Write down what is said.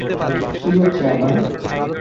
কী হচ্ছে আবার?